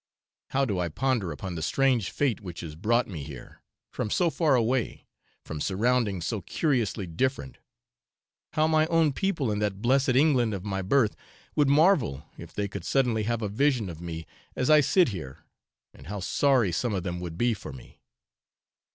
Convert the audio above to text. How I do ponder upon the strange fate which has brought me here, from so far away, from surroundings so curiously different how my own people in that blessed England of my birth would marvel if they could suddenly have a vision of me as I sit here, and how sorry some of them would be for me!